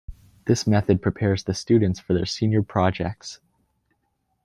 This method prepares the students for their senior projects.